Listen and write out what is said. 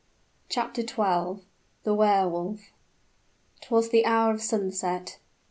CHAPTER XII. THE WEHR WOLF. 'Twas the hour of sunset.